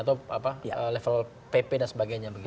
atau level pp dan sebagainya